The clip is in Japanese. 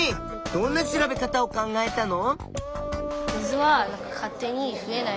どんな調べ方を考えたの？